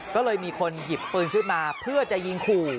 ก็เลยมีคนหยิบปืนขึ้นมาเพื่อจะยิงขู่